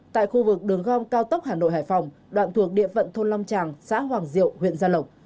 tại khu vực đường gom cao tốc hà nội hải phòng đoạn thuộc địa phận thôn long tràng xã hoàng diệu huyện gia lộc